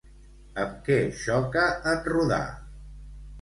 Amb què xoca en rodar?